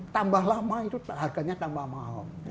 tambah lama itu harganya tambah mahal